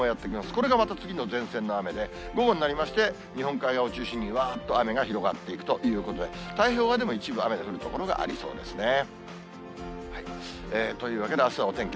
これがまた次の前線の雨で、午後になりまして、日本海側を中心に、わーっと雨が広がっていくということで、太平洋側でも一部、雨の降る所がありそうですね。というわけで、あすはお天気